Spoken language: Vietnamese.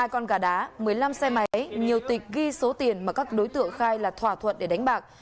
hai con gà đá một mươi năm xe máy nhiều tịch ghi số tiền mà các đối tượng khai là thỏa thuận để đánh bạc